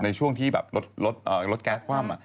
ในช่วงที่ลดแก๊สความ